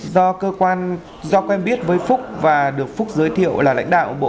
do cơ quan do quen biết với phúc và được phúc giới thiệu là lãnh đạo bộ